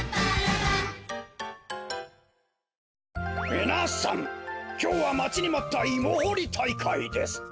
みなさんきょうはまちにまったイモほりたいかいです。